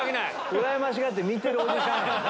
うらやましがって見てるおじさん。